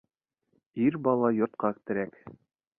Ир бала йортҡа терәк